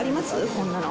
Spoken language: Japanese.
こんなの。